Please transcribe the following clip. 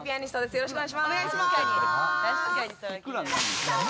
よろしくお願いします。